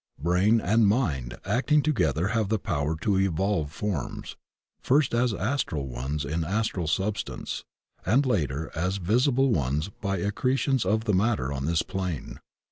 Brain and mind acting together have the power to evolve forms, first as astral ones in astral substance, and later as visible ones by accretions of the matter on this plane.